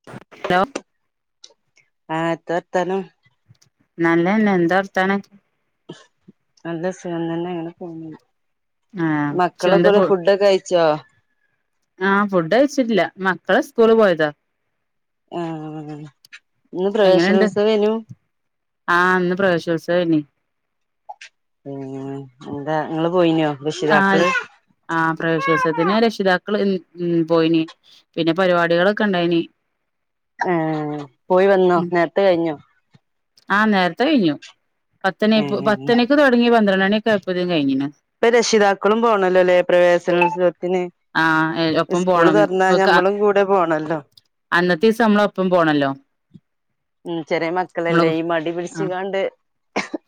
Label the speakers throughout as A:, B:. A: [unintelligible]
B: ആഹ് ത്തർത്താനം
A: നല്ലന്നെ എന്ത വർത്താനം
B: നല്ല സുഖം തന്നെയാണ്
A: ആഹ്
B: മക്കളൊക്കെ
A: ചന്ത
B: ഔടെ
A: ഫു
B: ഫുഡൊക്കെയ്ച്ചോ
A: ആഹ് ഫുഡ് കഴിച്ചിട്ടില്ല മക്കള് സ്കൂള് പോയതാ
B: ആഹ്ഇന്ന്
A: എങ്ങനെണ്ട്
B: പ്രവേശനോത്സവെയിനു
A: ആഹ് ന്ന് പ്രേവേശോത്സവയ്നി
B: ഉം ന്താ ങ്ങള് പോയിനോ രക്ഷിതാക്കള്
A: ആഹ് ആഹ് പ്രവേശനോത്സത്തിന് രക്ഷിതാക്കൾ ഉം പോയിന് പിന്നെ പരിവാടികളൊക്കെ ണ്ടായിന്
B: ഏഹ്പോയി വന്നോ
A: ഉം
B: നേരത്തെ കഴിഞ്ഞോ
A: ആഹ് നേരത്തെ കഴിഞ്ഞു പത്തണി
B: ഏ
A: പത്തണിക്ക് തുടങ്ങി പന്ത്രണ്ടണിക്കെ ആയപ്പതും കഴിഞ്ഞിനു
B: ഇപ്പ രക്ഷിതാക്കളും പോണല്ലോല്ലേ പ്രവേശനോത്സവത്തിന്
A: ആഹ് ഒപ്പം
B: ഇസ്കൂള്
A: പോണം
B: തൊറന്ന
A: ഓക്ക്
B: ഞമ്മളും കൂടെ പോണല്ലോ
A: അന്നത്തീസം മ്മളപ്പം പോണല്ലോ
B: ഉം ചെറിയ
A: നമ്മള്
B: മക്കളല്ലേ ഈ മടി
A: ആഹ്
B: പിടിച്ചികാണ്ട്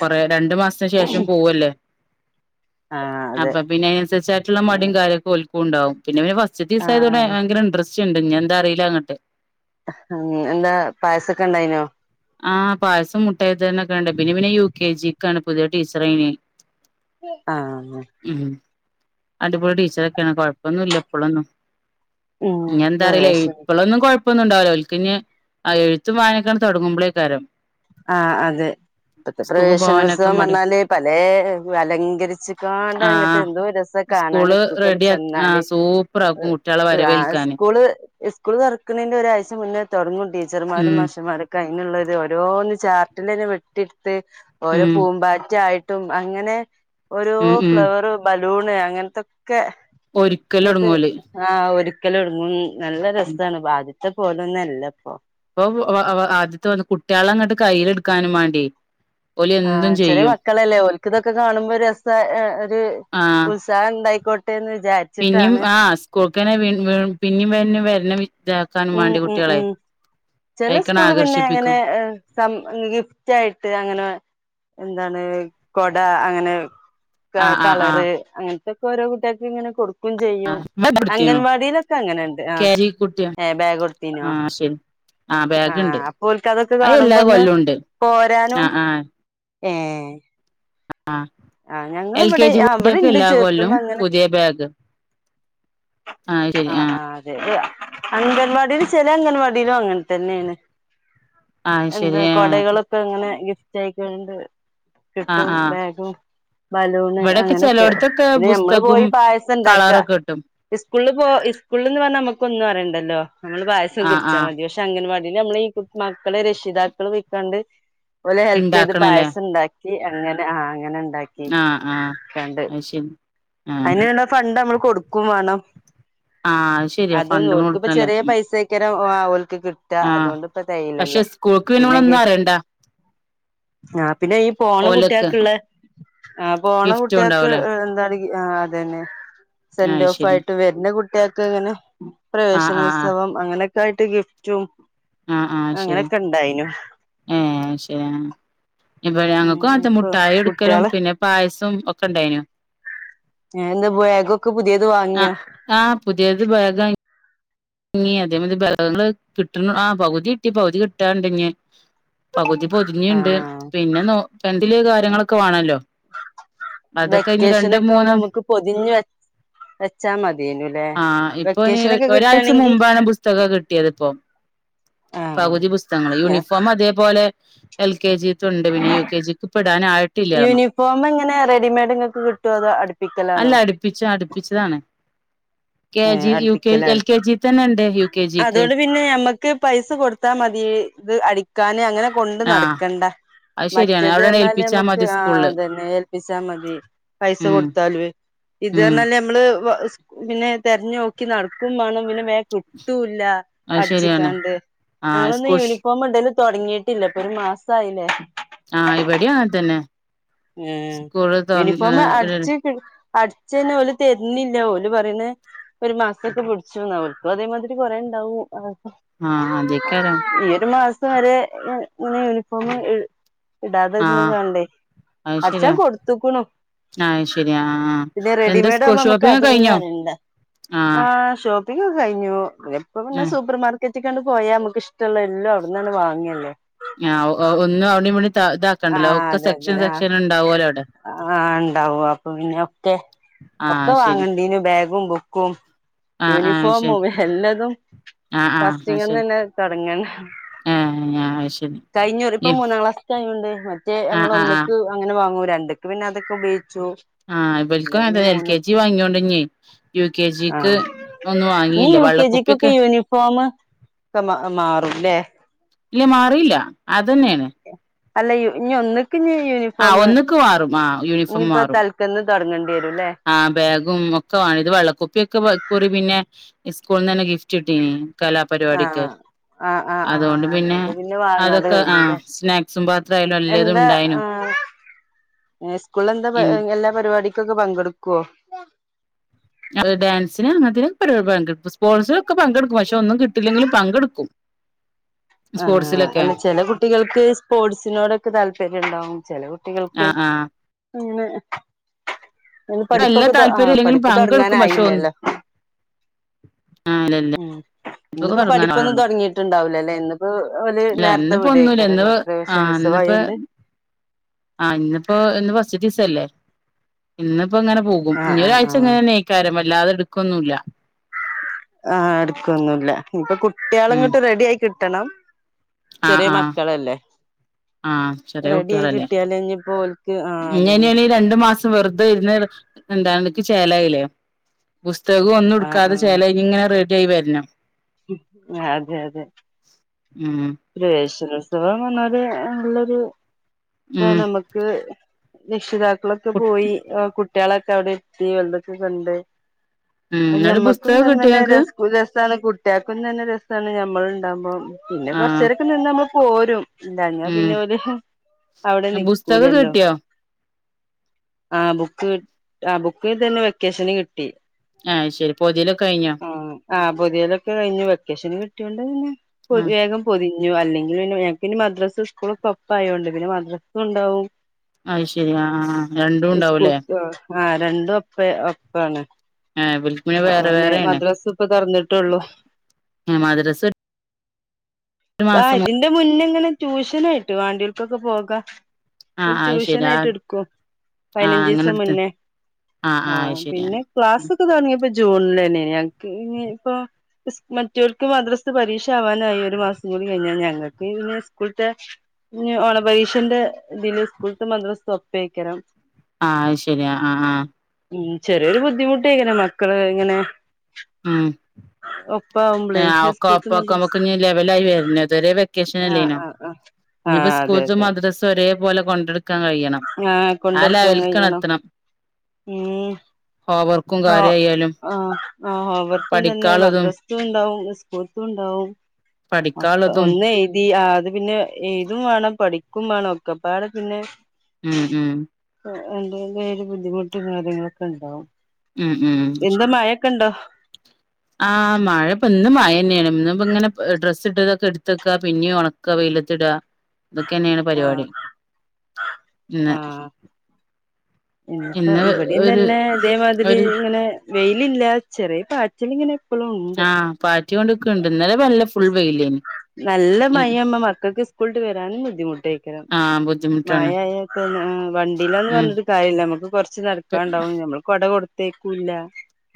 A: കൊറെ രണ്ട് മാസത്തിന് ശേഷം പോവല്ലേ
B: ആ അതെ
A: അപ്പൊ പിന്നെ അതിനനുസരിച്ചായിട്ടുള്ള മടിയും കാര്യൊക്കെ ഓൽക്കുണ്ടാവും പിന്നെവന് ഫസ്റ്റ്
B: ആ
A: തീസായതോണ്ടെ ഭയങ്കരഇൻടറസ്റ്റ്ണ്ട് ഞി ന്താറിയില്ലങ്ങട്ട്
B: ഉം എന്താ പായസൊക്കെ ഇണ്ടായിനോ
A: ആഹ് പായസം മുട്ടായ് തന്നൊക്കാണ്ട് പിന്നെ പിന്നെ യു കെ ജിക്കാണ് പുതിയ ടീച്ചറയിന്
B: ആഹ്
A: ഉം അടിപൊളി ടീച്ചറൊക്കെയാണ് കൊഴപ്പൊന്നുല്ല പ്പളൊന്നും
B: ഉം
A: ഞി എന്താ അറിലാ
B: പ്രവേശന
A: ഇപ്പളൊന്നും കൊഴ പ്പൊന്നുംണ്ടാവുല ഒൽക്കിഞ് ആഹ് എഴ്ത്തും വായനക്കണ് തൊടങ്ങുമ്പോളേക്കാരം
B: ആഹ് അതെ ഇപ്പത്തെ
A: പോവാനൊക്കെ
B: പ്രവേശനോത്സവം
A: മടി
B: പറഞ്ഞാല് പലേ അലങ്കരിച്ചിക്കാണ്ട് അങ്ങിട്ട്
A: ആഹ്
B: എന്തോ രസ കാണാനും
A: സ്കൂള്
B: സ്കൂക്ക
A: റെഡിയാ ആഹ്
B: ചെന്നാല്
A: സൂപ്പറാക്കും കുട്ടികളെ
B: അത് ആഹ്
A: വരവേൽക്കാന്
B: സ്കൂള് ഇസ്കൂള് തൊറക്ക്ണേന്റെ ഒരാഴ്ച മുന്നേ തൊടങ്ങും ടീച്ചർമാരും
A: ഉം
B: മാഷ്മാരുംക്കെ അയിനുള്ളൊരു ഒ രോന്ന് ചാർട്ടിലന്നെ വെട്ടിയെടുത്ത് ഓരോ
A: ഉം
B: പൂമ്പാറ്റായിട്ടും അങ്ങനെ ഓരോ
A: ഉം ഉം
B: ഫ്ലവർ ബലൂണ് അങ്ങനത്തൊക്കെ ന്നിട്ട്
A: ഒരുക്കലൊടങ്ങും ഓല്
B: ആഹ് ഒരിക്കലും ഉം നല്ല
A: ഉം
B: രസാണ് ബാദ്യത്തെ പോലൊന്നല്ല പ്പോ
A: ഇപ്പം വ വ ആദ്യത്തെ വന്ന കുട്ടികള അങ്ങട്ട് കയ്യിലെടുക്കാനും വാണ്ടിയേ
B: ആഹ് ചെറിയ മക്കളല്ലേ ഒൽക്കിതൊക്കെ കാണുമ്പോ ഒരസ എഹ് ഒര്
A: ആ
B: ഉൽസ് സാഹൊണ്ടായിക്കോട്ടെ എന്ന് വിചാരി [unintelligible]
A: പിന്നിം ആഹ് സ്കൂൾക്കന്നെ വീ വീ പിന്നിം പിന്നിം വരണം
B: ഉം ഉം ഉം ചെല
A: അയിക്കണ്
B: സ്കൂള് പിന്നെ
A: ആകർഷിപ്പിക്കും
B: അങ്ങനെ ഏഹ് സം ൻ ഗിഫ്റ്റായിട്ട് അങ്ങനെ എന്താണ് കൊടാ അങ്ങനെ ക
A: ആ ആ ആ
B: കളറ് അങ്ങൻത്തൊക്കോരോ കുട്ട്യാക്ക്ങ്ങനെ കൊടു ക്കും ചെയ്യും. അംഗൻവാടിയിലൊക്കെ അങ്ങനണ്ട് ആഹ്.
A: ഈ കുട്ടിയാ
B: ഏഹ് ബേഗൊടുത്തീനോ?
A: ആ
B: ആഹ്
A: ബാഗുണ്ട്
B: അപ്പ ഓൽക്കതൊക്കെ
A: അത് എല്ലാ
B: കാണുമ്പൊന്ന്
A: കൊല്ലവും ഉണ്ട് ആ
B: പോരാനും
A: ആ
B: ഏഹ്
A: ആഹ്
B: ആഹ്
A: എൽ കെ
B: ഞങ്ങളിവിടെ
A: ജി
B: ആഹ് ഇവിടെണ്ട്
A: കുട്ട്യാക്കെല്ലാ കൊല്ലും
B: ചേർത്തുമ്പോ അങ്ങനെ
A: പുതിയ ബാഗ്. ആയ് ശരി ആഹ്
B: [unintelligible] അംഗൻവാടീല് ചെല അംഗൻവാടിയിലൊങ്ങൻ തന്നേണ്.
A: ആ
B: എന്താ
A: ശരി
B: കൊടകളൊക്കെങ്ങനെ ഗിഫ്റ്റായിക്കണ്ട്
A: ആ
B: കിട്ടും
A: ആ
B: ബാഗും. ബലൂണ്
A: ഇവിടെക്കെ
B: അങ്ങനൊക്കെ
A: ചിലയിടത്തൊക്കെ
B: പിന്നെ ഞമ്മള്
A: പുസ്തകവും
B: പോയി പായസം ഇണ്ടാക്കാ
A: കളറൊക്കെ കിട്ടും
B: ഇസ്കൂള്പോ ഇസ്‌ക്കൂള്ന്ന് പറഞ്ഞാ നമുക്കൊന്നറിയണ്ടല്ലോ നമ്മള് പായസം
A: ആ ആ
B: കുടിച്ചാ മതി പക്ഷ് ട്ടങ്ങനവാടില് നമ്മളീ കു മക്കളെ രക്ഷിതാക്കള് പൊയിക്കാണ്ട് ഓലെ ഹെൽപെയ്ത്
A: ഇണ്ടാക്കണല്ലേ
B: പായസണ്ടാക്കി അങ്ങനെ ആഹ് അങ്ങനെ ഇണ്ടാക്കി.
A: ആ ആ
B: ക്കി കാണ്ട്
A: അത് ശരി ആഹ്
B: അയ്നിളെ ഫണ്ടമ്മള് കൊടുക്കും വേണം.
A: ആഹ് അത് ശരിയാ
B: അതൊന്ന്
A: ഫണ്ടും
B: ഓല്ക്കിപ്പോ
A: കൊടുക്കണല്ലേ
B: ചെറ്യ
A: ഉം.
B: പൈസെ ഇക്കരം ഒ ആഹ് ഓല്ക്ക് കിട്ടാ
A: ആഹ്
B: അതോണ്ട്പ്പ
A: പക്ഷെ
B: തെയീലല്ലോ
A: സ്കൂൾക്ക് പിന്നെ നമ്മളൊന്നും
B: പിന്നെങ്കി
A: അറിയണ്ട
B: ആഹ് പിന്നെ ഈ പോന്ന
A: ഓലക്ക്
B: കുട്ടിയാക്ക്ള്ളെ. ആഹ് പോണ
A: ഗിഫ്റ്റും
B: കുട്ട്യാക്ക്
A: ഉണ്ടാവൂലേ
B: ഏഹ് എന്താണ് ആഹ് അതെന്നെ
A: അത് ശരി
B: സെൻ്റോഫായിട്ടും വരുന്ന കു ട്ടിയാക്ക്ങ്ങനെ
A: ആഹ് ആഹ് ആഹ്
B: പ്രവേശനോത്സവം അങ്ങനെയൊക്കായിട്ട് ഗിഫ്റ്റും.
A: ആഹ് ആഹ് ശരി
B: അങ്ങനെയൊക്കെ ഉണ്ടായിനു
A: ഏഹ് ശെ ആഹ് ഇബ
B: ഉം
A: ഞങ്ങക്കുഅത്തെ
B: ഇപ്പൊ
A: മുട്ടായൊടുക്കലും
B: കുട്ടികള്
A: പിന്നെ പായസം ഒക്കെ ഇണ്ടായിനു.
B: ഞാനിന്ന് പൊയേ ബാഗൊക്കെ പുതിയത് വാങ്ങിയാ
A: ആഹ് ആഹ് പുതിയത് ബാഗാ ങ്ങി അതേ മാതി ബേഗ്ങ്ങ്ള് കിട്ടുണ് ആഹ് പകുതി കിട്ടി പകുതി കിട്ടാണ്ട് ഇഞ്ഞ് പകുതി
B: ആ
A: പൊതിഞ്ഞീണ്ട് പിന്നെ നോ പെന്തില് കാര്യങ്ങളൊക്കെ വാണല്ലോ.
B: വെക്കേഷനൊക്കെ ആവുമ്പോ നമുക്ക് പൊതിഞ്ഞു വെ വെച്ചാ മതിയേനുല്ലേ വെക്കേഷനൊക്കെ കിട്ടാ
A: ച്ചു മുമ്പാണ് പുസ്തകം കിട്ടിയത്പ്പോ
B: ആ
A: പകുതി പുസ്തകങ്ങള് യൂണിഫോം അതേ പോലെ എൽ കെ ജി ത്തുണ്ട് പിന്നെ യു കെ ജിക്ക് പ്പൊ ഇടാന ആയിട്ടില്ലാർ ഞ്ഞു
B: യൂണിഫോം പിക്കലാണോ
A: പിച്ച അടുപ്പിച്ചതാണ് K
B: A
A: G U K
B: അടുപ്പിക്കലാ
A: എൽ കെ ജി തന്നെ ണ്ട് യു കെ ജിക്ക്.
B: അതോണ്ട് പിന്നെ നമ്മക്ക് പൈസ കൊടുത്താ മതി ഇത് അടിക്കാന് അങ്ങനെ കൊണ്ട്
A: ആഹ്
B: നടക്കണ്ട.
A: അത് ശരിയാണ് അവിടെണ്
B: മറ്റത്റ്ഞ്ഞാല്
A: ഏൽപ്പിച്ചാ
B: നമക്ക്
A: മതി
B: ആഹ്
A: സ്കൂളില്
B: തന്നെ ഏൽപ്പിച്ചാ മതി പൈസ
A: ഉം
B: കൊടുത്താലൊ ഇത്റ്
A: ഉം
B: ഞ്ഞാല് നമ്മള് വ സ് പിന്നെ തെരഞ്ഞോക്കി നടക്കും മാണം പിന്നെ വേ കി ട്ടൂല്ല
A: അത് ശരിയാണ്
B: അടിച്ചിക്കാണ്ട്.
A: ആഹ്
B: ഞങ്ങളൊന്ന്
A: സ്കൂൾ
B: യൂണിഫോം ഇടല് തൊട്ങ്ങീട്ടില്ല ഇപ്പൊ ഒരു മാസായില്ലേ.
A: ആഹ് ഇവടി അങ്ങൻ തന്നെ.
B: ഏഹ്
A: സ്കൂള് തുറന്ന്
B: യൂനിഫോം അടിച്ച് അടച്ചയ്ഞ്ഞ് ഓല് തര്ന്നില്ല ഓല് പറിണ് ഒരു മാസൊക്കെ പുടിച്ചൂന്നാ ഓല്ക്കു അതേമാതിരി കൊറെ ഉണ്ടാവു ആ
A: ആഹ് അതേയ്ക്കാരം.
B: ഈ ഒരു മാസം വരെ ഇങ്ങ് ഇങ്ങനെ യൂണിഫോം ഇ ഇടാത് ന്ന്
A: ആഹ്
B: കാണ്ടെ.
A: അത്
B: അടിച്ചാ
A: ശരിയാ
B: കൊടുത്തുക്ക്ണു.
A: ആഹ് ശരിയാ ആഹ്
B: ഇതെ
A: എന്താ സ്കൂൾ
B: റെഡിമെയ്‌ഡാകുമ്പോ നമക്ക്
A: ഷോപ്പിംഗ് ഒക്കെ
B: അതൊന്നു
A: കഴിഞ്ഞോ
B: അറിയണ്ട. ആഹ് ഷോ പ്പിങ്ങാക്കെ കഴിഞ്ഞു ഇപ്പ പിന്നെ
A: ആ
B: സൂപ്പർ മാർക്കറ്റ് കാണ്ട് പോയാ മ്മക്ക് ഇഷ്ടള്ള എല്ലാ അവിട്ന്നണ്ട് വാങ്ങല്ലേ.
A: ആഹ് ഒഒന്നു അവിടിവിടിം ത
B: ആ
A: ഇതാക്കാണ്ടല്ലോ ഒക്കെ
B: അതെ
A: സെക്ഷൻ
B: അതെ ആ
A: സെക്ഷൻ ഇണ്ടാവോ
B: ആ ഇണ്ടാവും അപ്പൊ പിന്നെ ഒക്കെ
A: ആ
B: ഒക്കെ
A: ശരി
B: വാങ്ങണ്ടീന് ബാഗും ബു ക്കും
A: ആ ആ ശരി
B: യൂണിഫോമും എല്ലതും
A: ആ ആ ആ ശരി
B: ഫസ്റ്റിങ്ങന്നന്നെ തൊട്ങ്ങണം
A: ഏ ആ ശരി
B: കഴിഞ്ഞൊറി ഇപ്പൊ മൂന്നാം ക്ലാസ് ക്കായോണ്ട്. മറ്റ്
A: ആ
B: നമ്മൾ
A: ആ ആ
B: ഒന്നക്ക് അങ്ങനെ വാങ്ങു രണ്ട്ക്ക് പിന്നെ അതൊക്കെ ഉപയോഗിച്ചു
A: ആഹ് ഇവൽക്കും
B: പിന്നെ
A: അങ്ങൻ
B: പിന്നെ
A: തന്നെഎൽ കെ ജി
B: മൂന്നക്ക്
A: വാങ്ങിയോണ്ട് ഇഞ്ഞ്
B: ആഹ് ഇഞ്ഞ്
A: വാങ്ങിയില്ല
B: യു കെ ജി കൊക്കെ
A: വെള്ളക്കുപ്പിയൊക്കെ
B: യൂനിഫോം മ് ഒക്കെ മാ മാറുംല്ലേ
A: ഇല്ല മാറിയില്ല അ തന്നെയാണ്
B: അല്ല ഇ ഇഞ് ഒന്ന്ക്ക് ഞ്ഞ് യൂണി
A: ആഹ് ഒന്നക്ക് മാറും. ആ യൂണിഫോം മാറും
B: ക്കന്ന് തുടങ്ങണ്ടി വരുംല്ലേ
A: ആഹ് ബാഗും ഒക്കെ വാങ്ങണം. ഇത് വെള്ളക്കുപ്പി ഇക്കുറി പിന്നെ ഈ സ്കൂളിൽ നിന്ന് തന്നെ ഗിഫ്റ്റ് കിട്ടി കലാപരിപാടിക്ക്
B: ആഹ് ആഹ് ആഹ്
A: അതുകൊണ്ട്
B: ആഹ്
A: പിന്നെ
B: വാങ്ങാതെ
A: അതൊക്കെ. ആഹ്
B: കഴിഞ്ഞുല്ലേ
A: സ്നാക്സും പാത്രമായാലും എല്ലതും ഉണ്ടായിന്
B: ആ സ്കൂളിൽ എന്താ..
A: ഇൻ
B: എല്ലാ പരിപാടിക്കൊക്കെ പങ്കെടുക്കുവോ
A: ആ ഡാൻസിന് അങ്ങനെയൊക്കെന പങ്കെടുക്കും. സ്പോർട്സിലൊക്കെ പങ്കെടുക്കും. പക്ഷെ ഒന്നും കിട്ടില്ലെങ്കിലും പങ്കെടുക്കും
B: [inaudible]
A: സ്പോർട്സിലൊക്കെ
B: ആഹ്അല്ല ചില കുട്ടികൾക്ക് സ്പോർട്സിനോടൊക്കെ താല്പര്യം ഉണ്ടാവും. ചെല കുട്ടികൾക്ക്
A: ആഹ് ആഹ്
B: അങ്ങനെ ഇന്ന്
A: ഇപ്പ എല്ലാ
B: പഠിപ്പൊക്കെ തൊടങ്ങിആ
A: താല്പര്യം ഇല്ലെങ്കിലും
B: പഠിപ്പ്
A: പങ്കെടുക്കും പക്ഷെ ഒന്ന്
B: തുടങ്ങാനായില്ലല്ലോ.
A: ആഹ് ഇല്ല ഇല്ല
B: ഉം
A: ഇപ്പൊക്കെ
B: ഇന്നിപ്പോ പഠിപ്പൊന്നും
A: തുടങ്ങാനാവണൊള്ളൂ
B: തുടങ്ങിയിട്ടുണ്ടാവൂലല്ലേ ഇന്നിപ്പോ ഓല്
A: ഇല്ല
B: നേരത്തെ
A: ഇന്നിപ്പോ
B: വിടു
A: ഒന്നുല്ല
B: ഏകാരം
A: ഇന്ന്
B: ല്ലേ. പ്രവേശന ഉത്സവായൊണ്ട്
A: ആ ഹ് ഇന്നിപ്പോ, ഇന്ന് ഫസ്റ്റ് ദിവസം അല്ലേ, ഇന്നിപ്പോ ഇങ്ങനെ പോകും.
B: ആഹ്
A: ഇനി
B: ആഹ്
A: ഒരാഴ്ച
B: ആഹ്
A: ങ്ങനെ ന്നെഴ് കാരം വല്ലാതെ ടുക്കൊന്നുല്ല
B: ആഹ് എടുക്കൊന്നുല്ല. ഇപ്പൊ കുട്ടിയാള്
A: ഉം
B: ഇങ്ങട്ട് റെഡി ആയി കിട്ടണം
A: ആഹ്
B: ചെറിയെ
A: ആഹ്
B: മക്കളല്ലേ
A: ആഹ് ചെറിയ
B: റെഡി ആയി
A: കുട്ടികളല്ലേ
B: കിട്ടിയാലിനിപ്പോ ഓലക്ക് ആ അതന്നെ
A: ഇങ്ങനെയാണെ രണ്ടു മാസം വെറുതെ ഇരുുന്ന എന്താണനിക്ക് ചേലായില്ലേ പുസ്തകം ഒന്നും
B: ആഹ്
A: എടുക്കാതെ
B: ആഹ്
A: ചേലായി ഇനി ഇങ്ങനെ റെഡി ആയി വരണം.
B: അതെ അതെ
A: ഉം
B: പ്രവേശനോത്സവം വന്നാൽ നല്ലൊരു ഇതാ
A: ഉം
B: നമുക്ക്. രക്ഷിതാക്കളൊക്കെ പോയി. അഹ കുട്ടി കുട്ടികളൊക്കെ അവിടെ എത്തി. വെറുതെ എന്തൊക്കെ കണ്ട്
A: ഉം
B: അപ്പോ
A: ന്നട്ട് പുസ്തകം കിട്ടിയോ
B: ഞമ്മക്കുംങ്ങനെ
A: ങ്ങക്ക്
B: രസ ഒരു രസമാണ് കുട്ടിയേക്കും തന്നെ രസമാണ് നമ്മൾ ഉണ്ടാവുപോം പിന്നെ കൊറച്ച്
A: ആഹ്
B: നേരൊക്കെ നിന്ന് നമ്മൾ പോരും വന്നാ പിന്നെ
A: ഉം
B: അതുപോല അവിടെ
A: പുസ്തകം
B: നിക്കൂലല്ലോ
A: കിട്ടിയോ
B: ആഹ ബുക്ക് ആഹ ബുക്ക് തന്നെ വെക്കേഷന് കിട്ടി
A: ആഹ് ശരി പൊതിടലൊ
B: ആഹ ആഹ് പൊതിയിടലൊക്കെ കഴിഞ്ഞു. വെക്കേഷൻ കിട്ടിയൊണ്ട് പിന്നെ
A: ആഹ്
B: വേഗം. പൊതിഞ്ഞു. അല്ലെങ്കിൽ ഞങ്ങക്ക് ഇനി മദ്രസ്സ സ്കൂള് ഒക്കെ ഒപ്പമായോണ്ട്. പിന്നെ മദ്രസ്സ ഉണ്ടാവും.
A: അത് ശരിയാ ആഹ രണ്ടും ഉണ്ടാവൂല്ലേ.
B: ആഹ രണ്ടും ഒപ്പം. ഒപ്പാണ്
A: ഏഹ് ഇവൽക്ക്
B: അപ്പൊ
A: വേറെ
B: പിന്നെ
A: വേറേണ്
B: മദ്രസ്സ ഇപ്പം തുറന്നിട്ടുള്ളു
A: ആഹ മദ്രസ്സ
B: ആഹ ഇതിന്റെ മുന്നെ. ഇങ്ങനെ ട്യൂഷനായിട്ട് വേണ്ടിയോർക്കൊക്കെ പോകാൻ ആഹ
A: ആഹ് അത്
B: ട്യൂഷൻ
A: ശരി
B: ആയിട്ട്
A: ആഹ്
B: എടുക്കും.
A: ആഹ്
B: പതിനഞ്ച്
A: അങ്ങനെ
B: ദിവസം
A: എടുത്ത്
B: മുന്നേ.
A: ആഹ് ആഹ്
B: ആഹ
A: അത് ശരി ആഹ്
B: പിന്നെ ക്ലാസ് ഒക്കെ തുടങ്ങിയ ഇപ്പം ജൂണിലേന്നയാ. ഞങ്ങക്ക് ഇ ഇപ്പൊ മറ്റോർക്ക് മദ്രസ്സ പരീക്ഷ ആവാനായി. ഒരു മാസം കൂടി കഴിഞ്ഞാൽ ഞങ്ങൾക്ക് ഈ സ്കൂളത്തെ ഓണപരീഷന്റെ ഇതില് സ്കൂളത്ത് മദ്രസ ഒപ്പായിരിക്കും
A: ആഹ് അത് ശരിയാ ആഹ് ആഹ്
B: ഉം ചെറിയൊരു ബുദ്ധിമുട്ടേ ഇങ്ങനെ മക്കള് ഇങ്ങനെ
A: ഉം
B: ഒപ്പം
A: ആഹ് ഒക്ക [unintelligible] ലെവലായിരുന്നു അതരെ വെക്കേഷൻ
B: ആഹ്
A: അല്ലേനു
B: ആഹ് ആഹ്
A: ഇനിപ്പോ
B: ആഹ് അതെ
A: സ്കൂൾസ്
B: അതെ
A: മദ്രസ ഒരേ പോലെ കൊണ്ടട്
B: ആഹ് കൊണ്ടടക്കാൻ കയ്യിണോ
A: എത്തണം
B: ഉം
A: ഹോംവർക്കും
B: ആഹ്
A: കാര്യായാലും
B: ആഹ് ആഹ് [unintelligible] തന്നെ
A: പഠിക്കാള്ളതും
B: മദ്രസ ണ്ടാവും സ്കൂൾത്ത ഒണ്ടാവും അപ്പ
A: പഠിക്കാള്ളതും
B: ഒന്നേഴ് ആഹ് അത് പിന്നെ ഇതും വേണം പഠിക്കും വേണം ഒക്കെപ്പാട് പിന്നെ
A: ഉം ഉം
B: എന്തേലും ഒരു ബുദ്ധിമുട്ടും കാര്യങ്ങളൊക്കെ ഒണ്ടാവും
A: ഉം
B: എന്താ
A: ഉം
B: മയ കണ്ടോ
A: ആഹ് മഴപ്പോ ഇന്നും മഴ തന്നെയാണ് ഇന്ന് ഇപ്പോ ഇങ്ങനെ ഡ്രസ്സ് ഇട്ടതൊക്കെ എടുത്തക്ക പിന്നെ ഒണ ക്ക വെയിലത്തിടുക ഇതൊക്കെ തന്നെയാണ് പരിപാടി
B: ആഹ്
A: ഇന്ന്
B: ഇപ്പ
A: ഇന്ന്
B: ഇവിടെയും
A: ഒരു
B: തന്നെ ഇതേമാതിരി
A: ഒരു
B: ഇങ്ങനെ വെയിലില്ല ചെറിയ പ ച്ചിലങ്ങനെ എപ്പളും ഒണ്ട്
A: ആഹ് പാറ്റികൊണ്ട്ക്ക്ണ്ട് ഇന്നലെ നല്ല ഫുൾ വെയിലേനി
B: നല്ല മഴയമ്മ മക്കൾക്ക് സ്കൂളട്ട് വരാനും ബുദ്ധിമുട്ട്ക്കണം
A: ആഹ് ബുദ്ധിമുട്ടാണ്
B: മയായ വണ്ടീലാന്ന്
A: ഉം
B: പറഞ്ഞിട്ട് [unintelligible] നമുക്ക് കൊറച്ച് നടക്കാണ്ടാവും നമ്മള് കൊട കൊടുത്തേക്കൂല്ല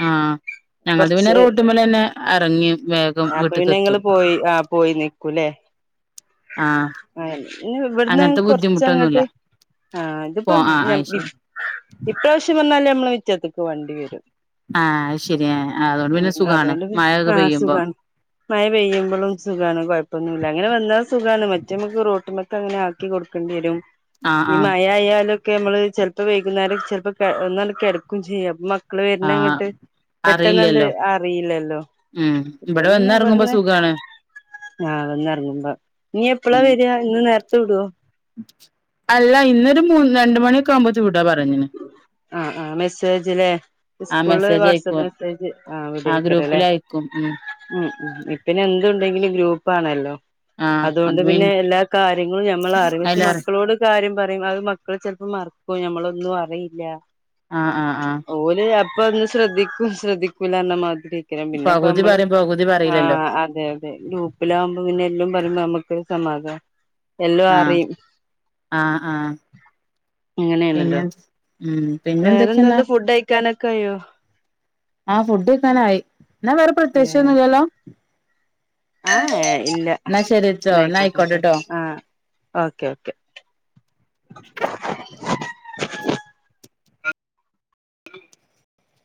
A: ആഹ് ഞങ്ങത് പിന്നെ റോട്ടുമ്മേല് തന്നെ എറങ്ങു
B: അപ്പ പിന്നെ ങ്ങള് പോയി ആഹ് പോയി നിൽക്കൂല്ലേ
A: ആഹ്
B: ആഹ് ഇവിടന്ന്
A: അങ്ങനത്തെ ബുദ്ധിമുട്ടൊന്നുല്ല
B: കൊറച്ചങ്ങാട്ട് ആഹ്
A: പോ
B: ഇതിപ്പ
A: ആഹ്
B: ഞ്ഞം
A: അയ്ശരി
B: ഇപ്രാവശ്യം വന്നാല് നമ്മള് മിറ്റത്തേക്ക് വണ്ടി വരും
A: ആഹ് ശരിയ ആഹ് അതുകൊണ്ട്
B: ഉം
A: പിന്നെ സുഖാണ് മഴയൊക്കെ പെയ്യുമ്പോ
B: മയ പെയ്യുമ്പളും സുഖാണ് കൊയപ്പൊന്നുല്ല അങ്ങനെ വന്നാ സുഖണ് മറ്റേമ്മുക്ക് റോട്ടുമ്മെക്ക അങ്ങന ആക്കി കൊടുക്കേണ്ടി വരും
A: ആഹ്
B: ഈ
A: ആഹ്
B: മയ ആയാലും ക്കെ നമ്മള് ചെലപ്പോ വൈകുന്നേരം ചെലപ്പോ ഒന്ന് കെടക്കും ചെയ്യും അപ്പ മക്കള് വരുന്ന
A: ആഹ്
B: അങ്ങോട്ട് പെട്ടെന്ന്ണ്ട്
A: അറിയില്ലല്ലോ
B: അറിയില്ലല്ലോ,
A: ഉം
B: ഇപ്പം
A: ഇവിടെ
B: പിന്നെ
A: വന്നെറങ്ങുമ്പോ
B: ഇവിടുന്ന്-
A: സുഖാണ്
B: ആഹ് വന്നിറങ്ങുമ്പ, ഇനി എപ്പളാ
A: ഉം
B: വരിക ഇന്ന് നേരത്തെ വിടുവോ?
A: അല്ല ഇന്നൊരു മൂ, രണ്ട്‌- മണിയൊക്കെ- ആവുമ്പോത്തിനും വിടപറഞ്ഞന്.
B: ആഹ് ആഹ് മെസ്സേജിലെ?
A: ആ
B: സ്കൂളില്
A: മെസ്സേജ്
B: വാട്സാപ്പ്
A: അയക്കും
B: മെസ്സേജ്
A: ആ
B: [unintelligible] അല്ലേ?
A: ഗ്രൂപ്പിൽ അയക്കും ഉം
B: ഉം ഉം ഇപ്പന്നെ എന്തു ഉണ്ടെങ്കിലും ഗ്രൂപ്പാണല്ലോ.
A: ആഹ് അത്
B: അതുകൊണ്ട്
A: പിൻ
B: പിന്നെ എല്ലാ- കാര്യങ്ങളും ഞമ്മൾ അറി, പക്ഷെ
A: അയിലറി
B: മക്കളോട്- കാര്യം പറയും അത് മക്കള് ചിലപ്പോ- മറക്കും മ്മളൊന്നും അറിയില്ല.
A: ആഹ് ആഹ് ആഹ്.
B: പോലെ അപ്പോ ഒന്നും ശ്രദ്ധിക്കും, ശ്രദ്ധിക്കൂല്ലാന്ന മാതിരി. ക്കണം പിന്നെ ഇപ്പ
A: പകുതി
B: നമ്മള്
A: പറയും പകുതി പറയില്ലല്ലോ
B: ആഹ് അതെ, അതെ ഗ്രൂപ്പിലാകുമ്പ പിന്നെ എല്ലാം പറുമ്പോ നമക്ക് സമാധാനം- എല്ലാം
A: ആഹ്
B: അറിയും
A: ആഹ് ആഹ്
B: അങ്ങനെയാണല്ലോ?
A: പിന്നെ ഉം.. പിന്നെന്തൊക്കെന്നാ
B: വേറെന്തൊണ്ട്‌ ഫുഡ് കഴിക്കാനൊക്കെ ആയോ?
A: ആഹ് ഫുഡ് കക്കാന ആയി, എന്നാ വേറെ-
B: ഏഹ്
A: പ്രത്യേകിച്ചൊന്നുമില്ലാലോ?
B: ആഹ് ഇല്ല എന്ന
A: എന്നാ
B: ആയിക്കോട്ടെ ട്ടോ.
A: ആയിക്കോട്ടെട്ടോ
B: ആഹ്.. ഓക്കെ ഓക്കെ.